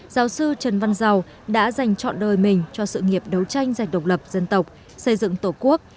giáo sư trần văn dào đã dành chọn đời mình cho sự nghiệp đấu tranh giành độc lập dân tộc xây dựng tổ quốc